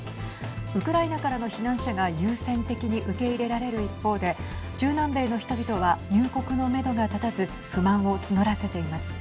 ウクライナからの避難者が優先的に受け入れられる一方で中南米の人々は入国のめどが立たず不満を募らせています。